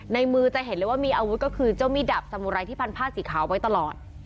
ในมือจะเห็นเลยว่ามีอาวุธก็คือเจ้ามีดดับสมุไรที่พันผ้าสีขาวไว้ตลอด